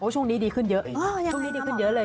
ช่วงนี้ดีขึ้นเยอะเลย